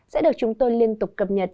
sẽ được chúng tôi liên tục cập nhật